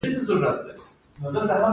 خوست او فرنګ دره غرنۍ ده؟